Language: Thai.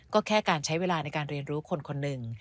ก็แค่การใช้เวลาในการเรียนรู้คนคนหนึ่ง